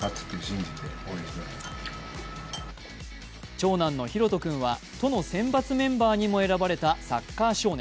長男の丈人君は都の選抜メンバーにも選ばれたサッカー少年。